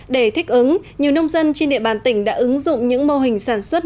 để thích ứng nhiều nông dân trên địa bàn tỉnh đã ứng dụng những mô hình sản xuất